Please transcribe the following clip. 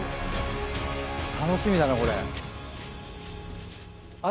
楽しみだなこれ。